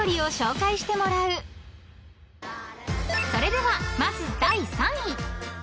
［それではまず第３位］